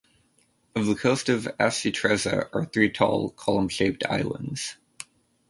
Of the coast of Aci Trezza are three tall, column-shaped islands.